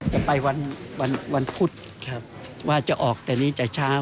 จะไปวันพุธครับว่าจะออกแต่นี้แต่เช้า